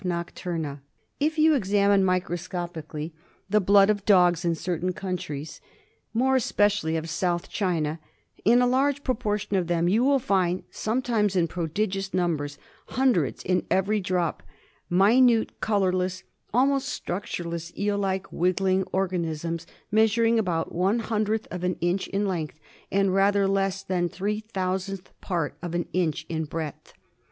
nocturna. FILARIASIS. 65 If you examine microscopically the blood of the dogs in certain countries, more especially of South China, in a large proportion of them you will find, sometimes in prodigious numbers, hundreds in every drop, minute, colourless, almost structureless, eel like, wriggling organ isms, measuring about one hundredth of an inch in length and rather less than the three thousandth part of an inch in breadth.